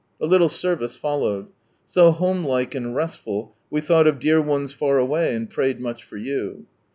A little service followed. So homelike and restful, we thought of dear ones far away, and prayed much for you.